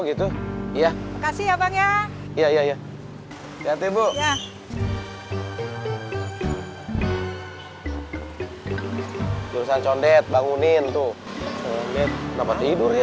gitu iya kasih ya bang ya iya iya iya iya iya iya jurusan condet bangunin tuh kenapa tidur ya